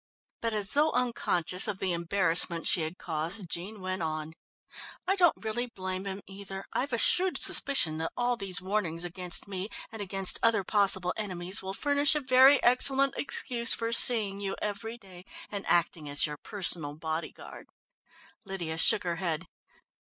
But as though unconscious of the embarrassment she had caused, Jean went on. "I don't really blame him, either. I've a shrewd suspicion that all these warnings against me and against other possible enemies will furnish a very excellent excuse for seeing you every day and acting as your personal bodyguard!" Lydia shook her head.